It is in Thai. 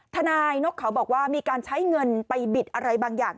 ทนายนกเขาบอกว่ามีการใช้เงินไปบิดอะไรบางอย่าง